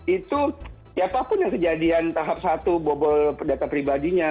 itu siapapun yang kejadian tahap satu bobol data pribadinya